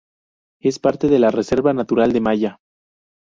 Es parte de la Reserva natural de Malla.